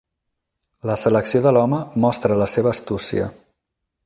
La selecció de l'home mostra la seva astúcia.